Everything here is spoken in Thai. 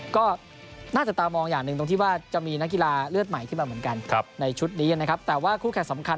ก็น่าจะตามองอย่างหนึ่งตรงที่ว่าจะมีนักกีฬาเลือดใหม่ขึ้นมาเหมือนกันในชุดนี้นะครับแต่ว่าคู่แข่งสำคัญ